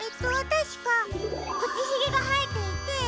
たしかくちひげがはえていて。